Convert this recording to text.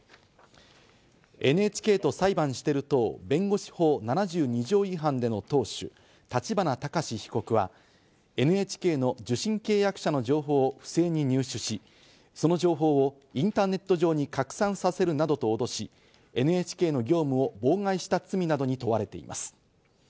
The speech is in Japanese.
「ＮＨＫと裁判してる党弁護士法７２条違反で」の党首・立花孝志被告は、ＮＨＫの受信契約者の情報を不正に入手し、その情報をインターネット上に拡散させるなどと脅し、ＮＨＫの業務を妨害した罪などに問われています。